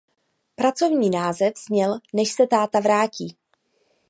Pracovní název zněl "Než se táta vrátí".